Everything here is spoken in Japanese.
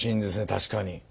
確かに。